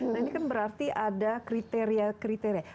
nah ini kan berarti ada kriteria kriteria